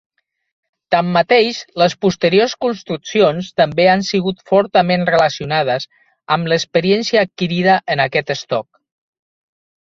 Tanmateix, les posteriors construccions també han sigut fortament relacionades amb l'experiència adquirida en aquest estoc.